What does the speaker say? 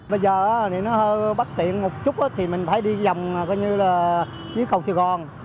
bây giờ thì nó bất tiện một chút thì mình phải đi dòng coi như là dưới cầu sài gòn